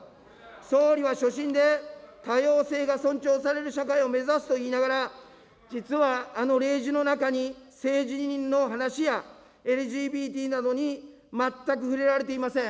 総理は所信で多様性が尊重される社会を目指すと言いながら、実はあの例示の中に、性自認の話や、ＬＧＢＴなどに全く触れられていません。